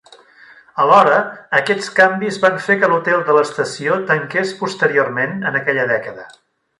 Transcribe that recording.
Alhora, aquests canvis van fer que l'hotel de l'estació tanqués posteriorment en aquella dècada.